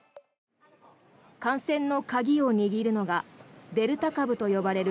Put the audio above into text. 感染の鍵を握るのがデルタ株と呼ばれる